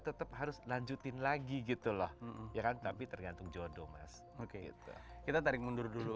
tetap harus lanjutin lagi gitu loh ya kan tapi tergantung jodoh mas oke kita tarik mundur dulu